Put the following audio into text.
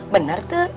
benar pak rt